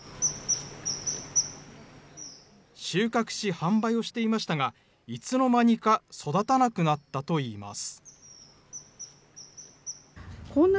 収穫し、販売をしていましたが、いつのまにか育たなくなったといいます。